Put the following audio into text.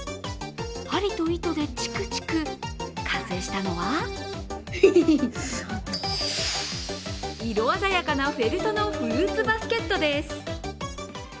針と糸でチクチク、完成したのは色鮮やかなフェストのフルーツバスケットです。